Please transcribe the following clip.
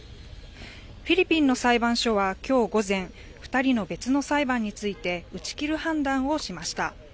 フィリピンの裁判所はきょう午前、２人の別の裁判について打ち切る判断をしました。